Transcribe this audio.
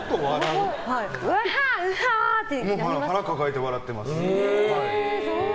腹を抱えて笑ってます。